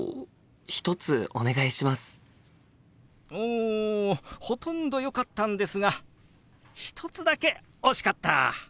おほとんどよかったんですが１つだけ惜しかった！